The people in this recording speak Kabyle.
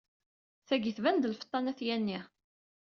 Tagi tban d lfeṭṭa n At Yanni.